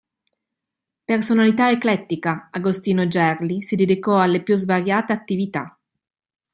Personalità eclettica, Agostino Gerli si dedicò alle più svariate attività.